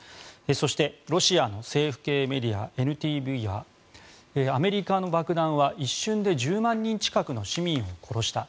そして、ロシアの政府系メディアＮＴＶはアメリカの爆弾は、一瞬で１０万人近くの市民を殺した。